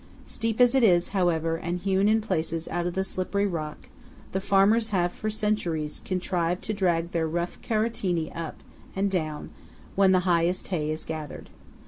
Steep as it is, however, and hewn in places out of the slippery rock, the farmers have for centuries contrived to drag their rough carettini up and down, when the highest hay is gathered.